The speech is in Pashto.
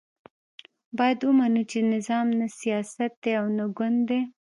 باید ومنو چې نظام نه سیاست دی او نه ګوند دی.